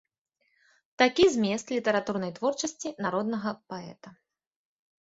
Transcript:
Такі змест літаратурнай творчасці народнага паэта.